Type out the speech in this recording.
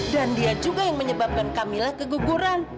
dan dia juga yang menyebabkan kamila keguguran